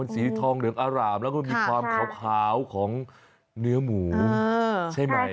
สีทองเหลืองอร่ามแล้วก็มีความขาวของเนื้อหมูใช่ไหม